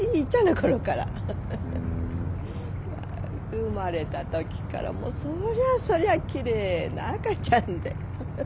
生まれたときからそりゃあそりゃあきれいな赤ちゃんで。